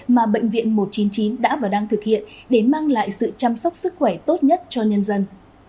mà bệnh viện một trăm chín mươi chín đã và đang thực hiện để mang lại sự chăm sóc sức khỏe tốt nhất cho nhân dân